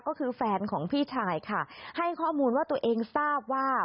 ก็คือแฟนของพี่ชายค่ะให้ข้อมูลว่าตัวเองทราบว่า